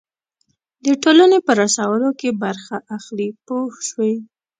د ټولنې په رسولو کې برخه اخلي پوه شوې!.